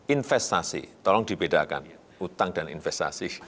investasi tolong dibedakan hutang dan investasi